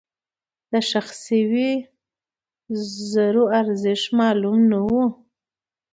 دښخ شوي زرو ارزښت معلوم نه و.